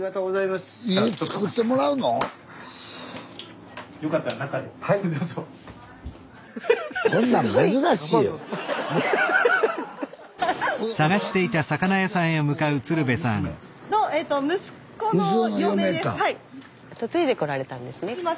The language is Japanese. スタジオ嫁いでこられたんですね。